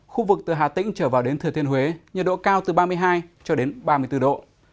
khu vực từ hà tĩnh trở vào đến thừa thiên huế nhiệt độ cao từ ba mươi hai cho đến ba mươi bốn độ